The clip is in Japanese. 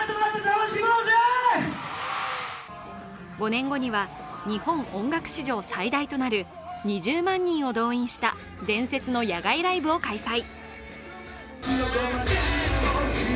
５年後には日本音楽史上最大となる２０万人を動員した伝説の野外ライブを開催。